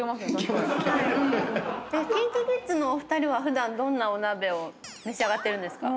ＫｉｎＫｉＫｉｄｓのお二人は普段どんなお鍋を召し上がってるんですか？